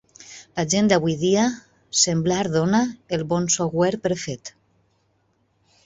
La gent d'avui dia semblar dona el bon software per fet.